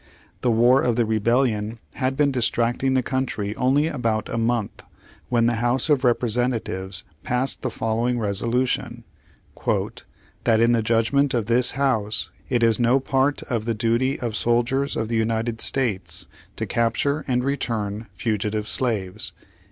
The War of the Rebellion had been distracting the country only about a month/ when the House of Repre sentatives passed the following resolution : "That in the judgment of this House, it is no part of the duty of soldiers of the United States to capture and return fugitive slaves."